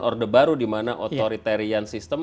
orde baru dimana otoritarian sistem